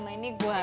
mas b ini ada